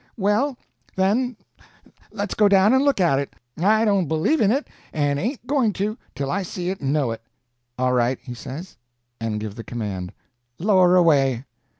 "Well, then, let's go down and look at it. I don't believe in it, and ain't going to till I see it and know it." "All right," he says, and give the command: "Lower away."